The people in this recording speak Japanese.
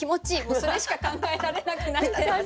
もうそれしか考えられなくなったので。